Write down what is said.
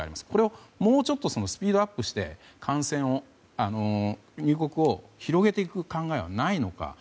これを、もうちょっとスピードアップして入国を広げていく考えはないのか。